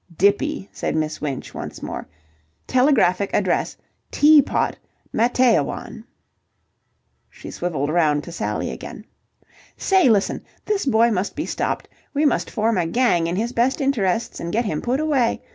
"Dippy!" said Miss Winch once more. "Telegraphic address: Tea Pot, Matteawan." She swivelled round to Sally again. "Say, listen! This boy must be stopped. We must form a gang in his best interests and get him put away.